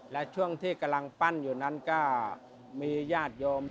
และช่วงที่กำลังปั้นอยู่นั้นก็มีญาติโยม